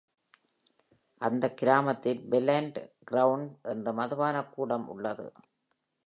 அந்த கிராமத்தில் Bell and Crown என்ற மதுபானக்கூடம் உள்ளது.